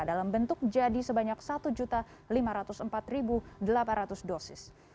dalam bentuk jadi sebanyak satu lima ratus empat delapan ratus dosis